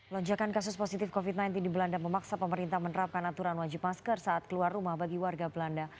lonjakan kasus positif covid sembilan belas di belanda memaksa pemerintah menerapkan aturan wajib masker saat keluar rumah bagi warga belanda